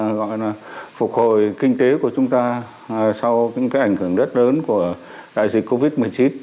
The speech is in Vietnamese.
trong giai đoạn phục hồi kinh tế của chúng ta sau những ảnh hưởng rất lớn của đại dịch covid một mươi chín